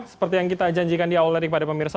seperti yang kita janjikan di awal tadi kepada pemirsa